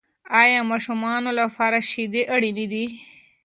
آیا ماشومانو لپاره شیدې اړینې دي؟